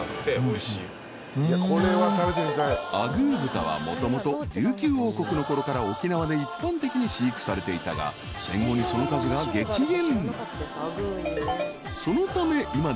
［アグー豚はもともと琉球王国のころから沖縄で一般的に飼育されていたが戦後にその数が激減］